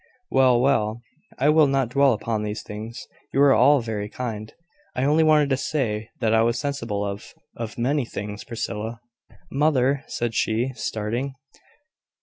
"Well, well; I will not dwell upon these things. You are all very kind. I only wanted to say that I was sensible of of many things. Priscilla " "Mother!" said she, starting.